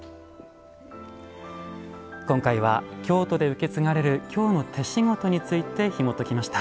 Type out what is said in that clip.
今回は京都で受け継がれる「京の手しごと」についてひもときました。